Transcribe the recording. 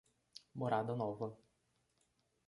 Morada Nova